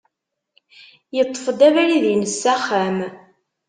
Yeṭṭef-d abrid-ines s axxam.